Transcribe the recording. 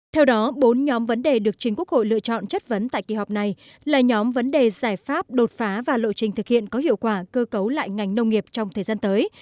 theo đó bốn nhóm vấn đề được chính quốc hội lựa chọn chất vấn tại kỳ họp này là nhóm vấn đề giải pháp đột phá và lộ trình thực hiện có hiệu quả cơ cấu lại ngành nông nghiệp trong thời gian tới